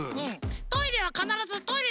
トイレはかならずトイレでする。